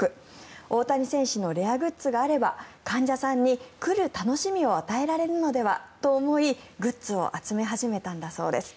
大谷選手のレアグッズがあれば患者さんに来る楽しみを与えられるのではと思いグッズを集め始めたんだそうです。